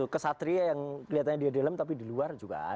kesatria yang kelihatannya dia dalam tapi di luar juga ada